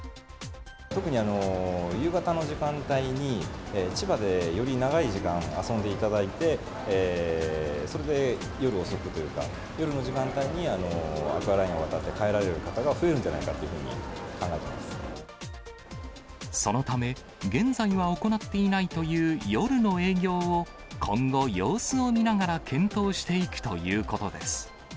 特に夕方の時間帯に、千葉でより長い時間遊んでいただいて、それで夜遅くというか、夜の時間帯にアクアラインを渡って帰られる方が増えるんじゃないそのため、現在は行っていないという夜の営業を、今後、様子を見ながら検討していくということです。